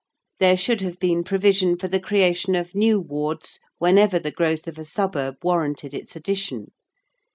There should have been provision for the creation of new Wards whenever the growth of a suburb warranted its addition.